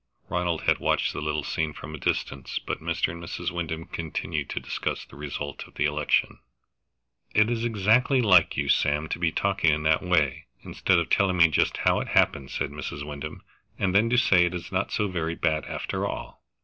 Ronald had watched the little scene from a distance, but Mr. and Mrs. Wyndham continued to discuss the result of the election. "It is exactly like you, Sam, to be talking in that way, instead of telling me just how it happened," said Mrs. Wyndham. "And then to say it is not so very bad after all!"